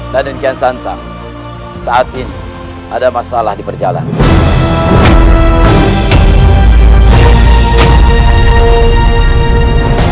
dan nianshantang saat ini ada masalah di perjalanan